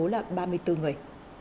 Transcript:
đó là ba mươi bốn người